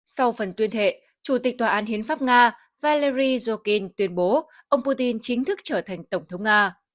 sau phần tuyên thệ chủ tịch tòa án hiến pháp nga vallery jokhin tuyên bố ông putin chính thức trở thành tổng thống nga